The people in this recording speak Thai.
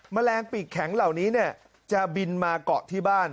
แมลงปีกแข็งเหล่านี้จะบินมาเกาะที่บ้าน